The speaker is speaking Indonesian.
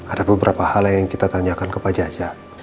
ada beberapa hal yang kita tanyakan ke pak jaja